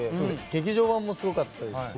劇場版もすごかったですし。